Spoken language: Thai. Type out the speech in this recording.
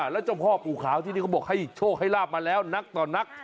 แล้วเจ้าพ่อปู่ขาวที่นี่เขาบอกให้โชคให้ลาบมาแล้วนักต่อนัก